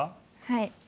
はい。